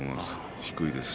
低いですし。